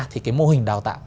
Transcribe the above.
thì cái mô hình đào tạo